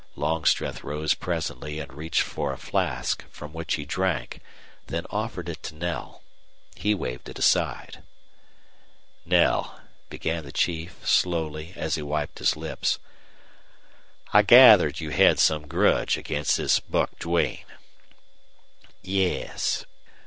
Longstreth rose presently and reached for a flask, from which he drank, then offered it to Knell. He waved it aside. "Knell," began the chief, slowly, as he wiped his lips, "I gathered you have some grudge against this Buck Duane." "Yes."